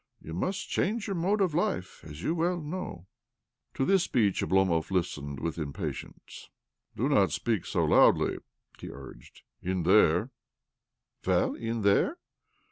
You mast change your mode of life, as you well know." To this speech Oblomov listened with impatience. " Do not speak so loudly," he urged. " In there " "Well in there?"